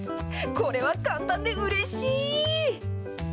これは簡単でうれしい。